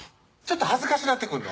ちょっと恥ずかしなってくんの？